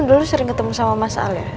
dulu sering ketemu sama mas al ya